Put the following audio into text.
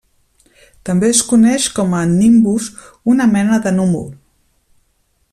També es coneix com a nimbus una mena de núvol.